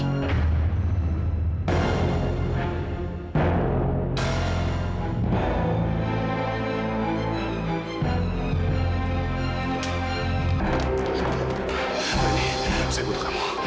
laini saya butuh kamu